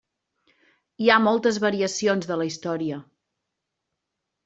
Hi ha moltes variacions de la història.